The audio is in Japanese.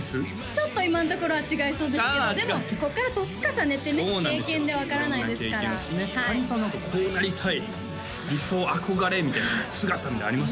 ちょっと今のところは違いそうですけどでもここから年重ねてね経験で分からないですからかりんさん何かこうなりたい理想憧れみたいな姿あります？